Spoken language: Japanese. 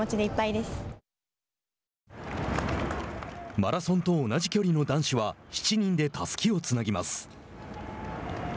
マラソンと同じ距離の男子は７人でたすきをつなぎます。